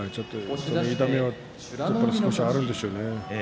痛みが少しあるんでしょうね。